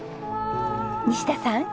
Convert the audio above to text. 西田さん